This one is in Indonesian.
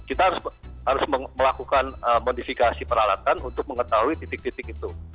kita harus melakukan modifikasi peralatan untuk mengetahui titik titik itu